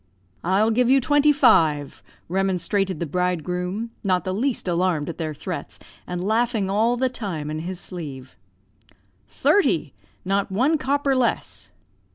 "'I'll give you twenty five,' remonstrated the bridegroom, not the least alarmed at their threats, and laughing all the time in his sleeve. "'Thirty; not one copper less!'